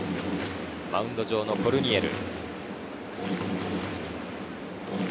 マウンド上のコルニエル。